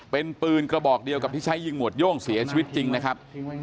เป็นปืนกระบอกเดียวกับที่ใช้ยิงหวดโย่งเสียชีวิตจริงนะครับ